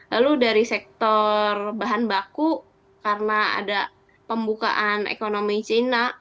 lalu dari sektor bahan baku karena ada pembukaan ekonomi cina